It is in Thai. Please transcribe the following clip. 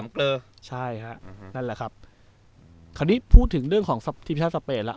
คราวนี้พูดถึงเรื่องของทีมชาติสเบนล่ะ